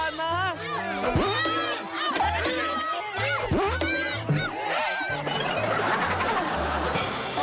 คุณป้าทันนี้เนี่ยดูจะสุดใจกว่านะ